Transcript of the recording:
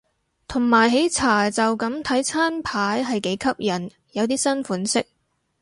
同埋喜茶就咁睇餐牌係幾吸引，有啲新款式